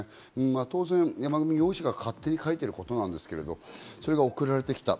当然、山上容疑者が勝手に書いていることなんですけれど、それが送られてきた、